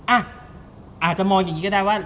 อาจจะมองอย่างนี้ก็ได้ว่า